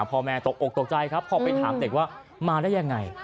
พ่อแม่ตกอกตกใจครับพอไปถามเด็กว่ามาได้ยังไง